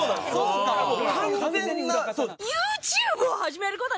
完全な。